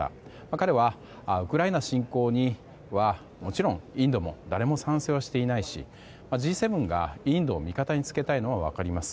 彼は、ウクライナ侵攻はもちろん、インドも誰も賛成していないしＧ７がインドを味方につけたいのは分かります。